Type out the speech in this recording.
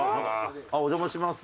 お邪魔します。